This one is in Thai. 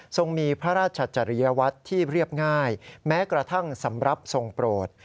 ส่งมีพระราชจริยวัตรที่เรียบง่ายแม้กระทั่งสำหรับทรงโปรด